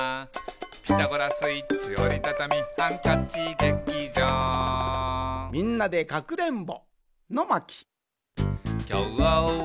「ピタゴラスイッチおりたたみハンカチ劇場」「きょうはみんなでかくれんぼ」